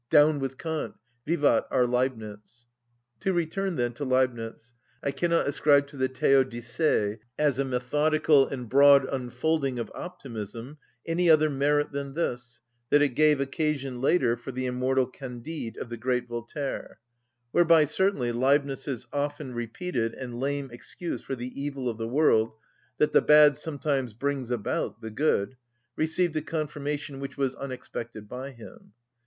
Down with Kant, vivat our Leibnitz! To return, then, to Leibnitz, I cannot ascribe to the Théodicée, as a methodical and broad unfolding of optimism, any other merit than this, that it gave occasion later for the immortal "Candide" of the great Voltaire; whereby certainly Leibnitz's often‐repeated and lame excuse for the evil of the world, that the bad sometimes brings about the good, received a confirmation which was unexpected by him.